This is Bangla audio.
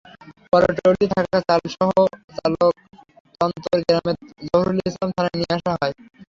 পরে ট্রলিতে থাকা চালসহ চালক তন্তর গ্রামের জহুরুল ইসলামকে থানায় নিয়ে আসা হয়।